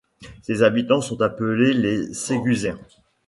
Ses habitants sont appelés les Ségusiens.